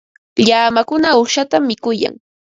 Llamakuna uqshatam mikuyan.